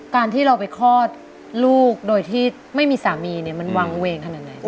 การที่เราไปคลอดลูกโดยที่ไม่มีสามีเนี่ยมันวางเวงขนาดไหน